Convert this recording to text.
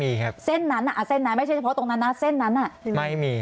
ไม่มีครับเท่านั้นเส้นไหนไม่ใช่เพราะตรงนั้นนะ